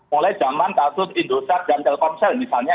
mulai zaman kasus indosat dan telkomsel misalnya